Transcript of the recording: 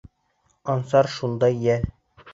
Ансар шундай йәл...